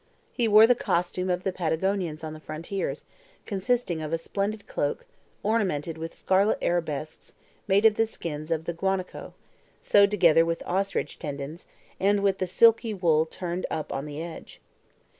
He wore the costume of the Patagonians on the frontiers, consisting of a splendid cloak, ornamented with scarlet arabesques, made of the skins of the guanaco, sewed together with ostrich tendons, and with the silky wool turned up on the edge.